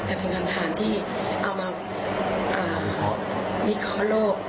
แต่เป็นการทานที่เอามาวิเคราะห์โลก